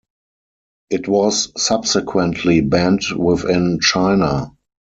It was subsequently banned within China.